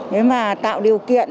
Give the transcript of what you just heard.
để tạo điều kiện